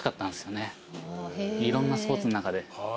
いろんなスポーツの中で。